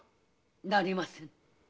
なりませぬ。